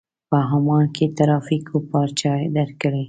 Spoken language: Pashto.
په عمان کې ترافيکو پارچه درکړې.